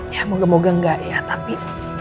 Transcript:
ya moga moga enggak ya tapi